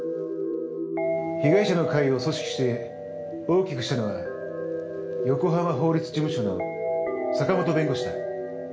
被害者の会を組織して大きくしたのは横浜法律事務所の坂本弁護士だ。